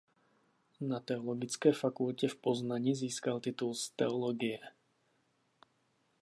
Na Teologické fakultě v Poznani získal titul z teologie.